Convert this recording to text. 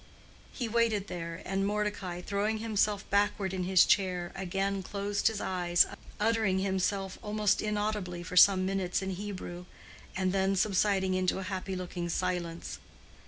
He waited there, and Mordecai, throwing himself backward in his chair, again closed his eyes, uttering himself almost inaudibly for some minutes in Hebrew, and then subsiding into a happy looking silence.